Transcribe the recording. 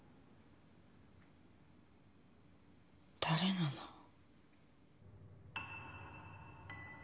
誰なの？